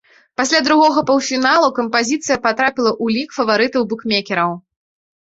Пасля другога паўфіналу кампазіцыя патрапіла ў лік фаварытаў букмекераў.